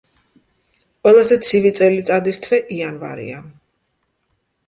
ყველაზე ცივი წელიწადის თვე იანვარია.